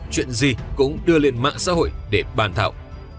chuyện gì cũng đưa lên mạng xã hội để bàn thảo